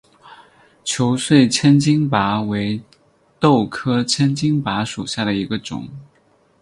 球穗千斤拔为豆科千斤拔属下的一个种。